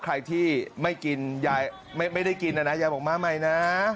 ใครที่ไม่ได้กินน่ะนะยายบอกมาใหม่นะ